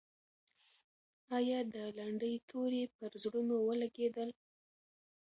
آیا د لنډۍ توري پر زړونو ولګېدل؟